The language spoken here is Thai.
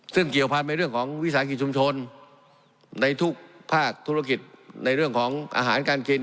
ซึ่งเกี่ยวพันธุ์ในเรื่องของวิสาหกิจชุมชนในทุกภาคธุรกิจในเรื่องของอาหารการกิน